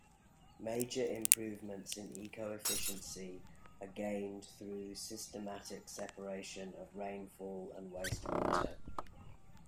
Major improvements in eco-efficiency are gained through systematic separation of rainfall and wastewater.